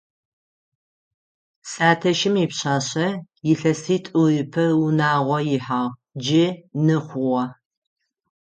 Сятэшым ипшъашъэ илъэситӏу ыпэ унагъо ихьагъ, джы ны хъугъэ.